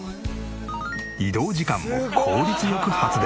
移動時間も効率よく発電。